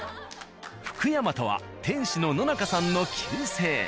「福山」とは店主の野中さんの旧姓。